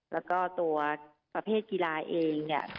แล้วก็ตัวประเภทกีฬาเองเนี่ย